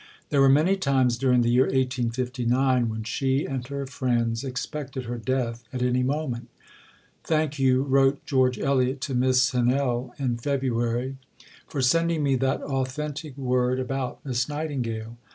There were many times during the year 1859 when she and her friends expected her death at any moment. "Thank you," wrote George Eliot to Miss Hennell in February, "for sending me that authentic word about Miss Nightingale.